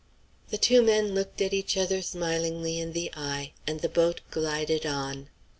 The two men looked at each other smilingly in the eye, and the boat glided on.